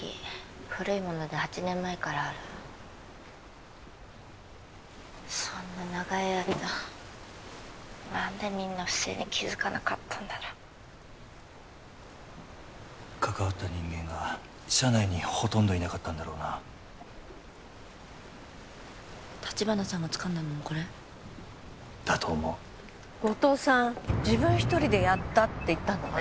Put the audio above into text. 古いもので８年前からあるそんな長い間何でみんな不正に気づかなかったんだろう関わった人間が社内にほとんどいなかったんだろうな橘さんがつかんだのもこれ？だと思う後藤さん自分一人でやったって言ったのね・